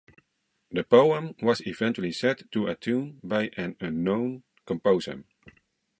The poem was eventually set to a tune by an unknown composer.